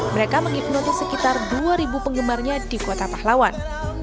mereka menghipnotis sekitar dua penggemarnya di kota pahlawan